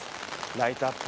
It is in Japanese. ライトアップ